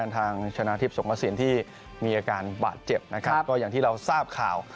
ตรงกับสิ่งที่มีอาการบาดเจ็บนะครับก็อย่างที่เราทราบข่าว